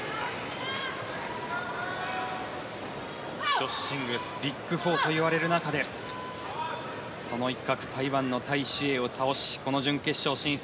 女子シングルスビッグ４といわれる中でその一角台湾のタイ・シエイを倒しこの準決勝に進出